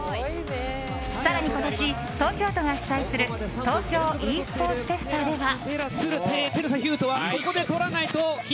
更に今年、東京都が主催する東京ｅスポーツフェスタでは。